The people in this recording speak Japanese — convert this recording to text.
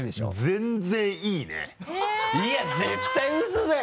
全然いい。